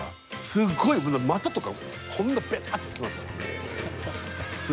すごい股とか、こんなベターって着きますよ、あの人。